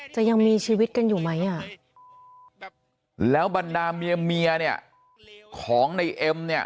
จะยังมีชีวิตกันอยู่ไหมอ่ะแล้วบรรดาเมียเมียเนี่ยของในเอ็มเนี่ย